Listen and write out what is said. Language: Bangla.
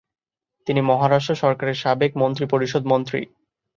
তিনি মহারাষ্ট্র সরকারের সাবেক মন্ত্রিপরিষদ মন্ত্রী।